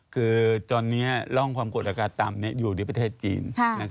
คือตอนนี้ร่องความกดอากาศต่ำอยู่ที่ประเทศจีน